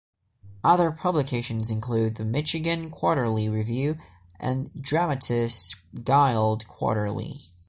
Other publications include "The Michigan Quarterly Review" and "Dramatists Guild Quarterly".